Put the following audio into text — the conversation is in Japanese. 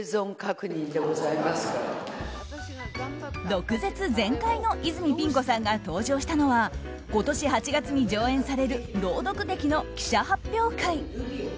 毒舌全開の泉ピン子さんが登場したのは今年８月に上演される朗読劇の記者発表会。